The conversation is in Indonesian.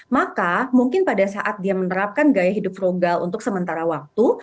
maka mungkin pada saat dia menerapkan gaya hidup frugal untuk sementara waktu